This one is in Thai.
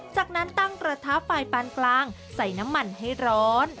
จากนั้นตั้งกระทะไฟปานกลางใส่น้ำมันให้ร้อน